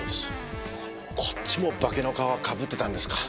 こっちも化けの皮をかぶっていたんですか。